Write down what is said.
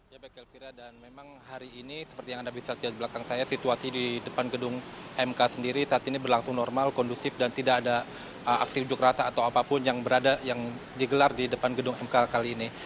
ya baik elvira dan memang hari ini seperti yang anda bisa lihat belakang saya situasi di depan gedung mk sendiri saat ini berlangsung normal kondusif dan tidak ada aksi unjuk rasa atau apapun yang berada yang digelar di depan gedung mk kali ini